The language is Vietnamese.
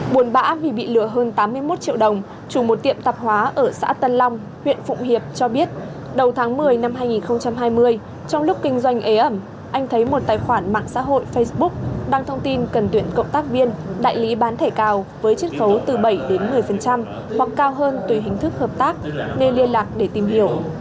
buồn bã vì bị lừa hơn tám mươi một triệu đồng chủ một tiệm tạp hóa ở xã tân long huyện phụng hiệp cho biết đầu tháng một mươi năm hai nghìn hai mươi trong lúc kinh doanh ế ẩm anh thấy một tài khoản mạng xã hội facebook đăng thông tin cần tuyển cộng tác viên đại lý bán thẻ cào với chất khấu từ bảy đến một mươi hoặc cao hơn tùy hình thức hợp tác nên liên lạc để tìm hiểu